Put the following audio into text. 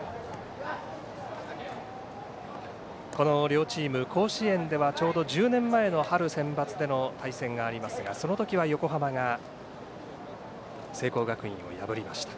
この両チーム、甲子園ではちょうど１０年前の春センバツでの対戦がありますがそのときは横浜が聖光学院を破りました。